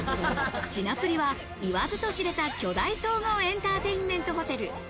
品プリは言わずと知れた巨大総合エンターテインメントホテル。